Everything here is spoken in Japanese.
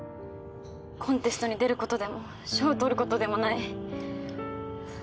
コンテストに出ることでも賞を取ることでもない。